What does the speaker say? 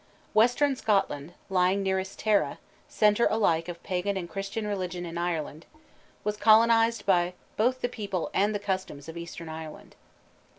Western Scotland, lying nearest Tara, center alike of pagan and Christian religion in Ireland, was colonized by both the people and the customs of eastern Ireland.